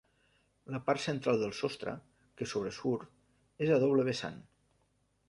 La part central del sostre, que sobresurt, és a doble vessant.